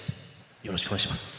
よろしくお願いします。